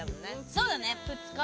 そうだね。